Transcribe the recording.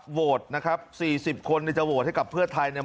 โหวตนะครับ๔๐คนเนี่ยจะโหวตให้กับเพื่อไทยเนี่ย